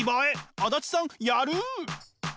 足立さんやる！